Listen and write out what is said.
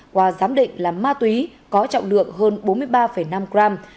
qua giám định là ma túy có trọng lượng hơn bốn mươi ba năm gram